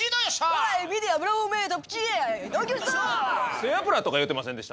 背脂とか言うてませんでした？